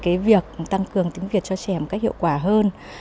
chúng tôi cũng quan tâm đến việc tăng cường tiếng việt cho trẻ một cách hiệu quả hơn